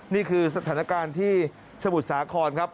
นี่คือสถานการณ์ที่สมุทรสาครครับ